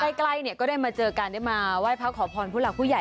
ขอบคุณครับขอบคุณครับขอบคุณครับขอบคุณครับขอบคุณครับ